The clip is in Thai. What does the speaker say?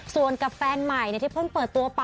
ส่วนกับแฟนใหม่ที่เพิ่งเปิดตัวไป